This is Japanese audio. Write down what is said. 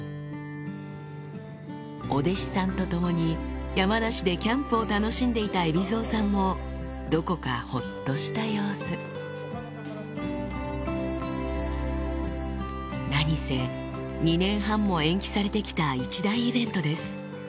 お弟子さんと共に山梨でキャンプを楽しんでいた海老蔵さんもどこかほっとした様子何せ２年半も延期されて来た一大イベントです